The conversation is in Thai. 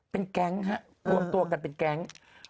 เป็นแก๊งฮะรวมตัวกันเป็นแก๊ง